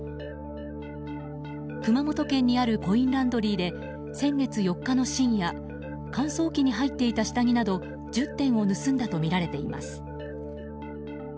熊本県にあるコインランドリーで先月４日の深夜乾燥機に入っていた下着など１０点を盗んだとみられています。